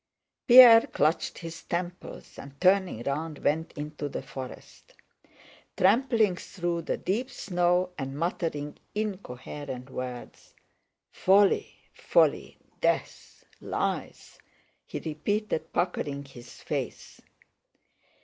Pierre clutched his temples, and turning round went into the forest, trampling through the deep snow, and muttering incoherent words: "Folly... folly! Death... lies..." he repeated, puckering his face.